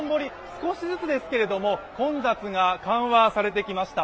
少しずつですが、混雑が緩和されてきました。